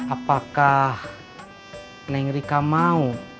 apakah neng rika mau